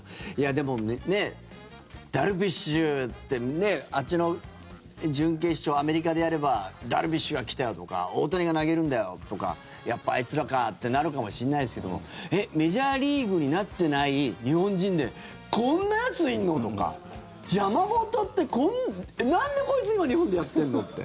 でもね、ダルビッシュってあっちの準決勝アメリカでやればダルビッシュが来たとか大谷が投げるんだよとかやっぱりあいつらかってなるかもしれないですけどメジャーリーグになってない日本人でこんなやついんの？とか山本ってなんでこいつ今、日本でやってんの？って。